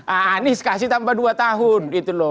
ah anies kasih tambah dua tahun